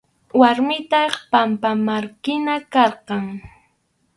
Warmiytaq pampamarkina karqan.